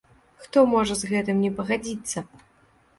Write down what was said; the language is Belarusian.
Хто можа з гэтым не пагадзіцца?